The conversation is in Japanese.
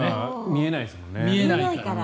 見えないですもんね。